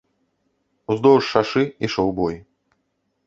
Уздоўж шашы ішоў бой.